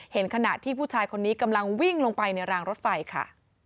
ขณะที่ผู้ชายคนนี้กำลังวิ่งลงไปในรางรถไฟค่ะ